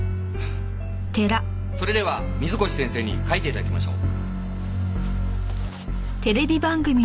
それでは水越先生に書いて頂きましょう。